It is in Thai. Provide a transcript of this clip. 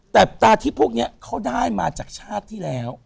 แต่ตาทิพย์พวกนี้เขาได้มาจากชาติที่แล้ว